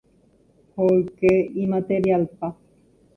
hoyke imaterialpa.